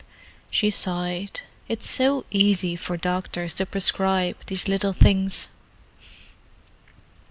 She sighed. "It's so easy for doctors to prescribe these little things."